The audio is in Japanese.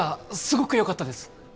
すごくよかったです